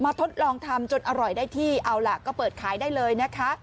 ทดลองทำจนอร่อยได้ที่เอาล่ะก็เปิดขายได้เลยนะคะ